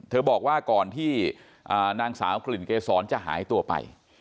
บอกว่าก่อนที่นางสาวกลิ่นเกษรจะหายตัวไป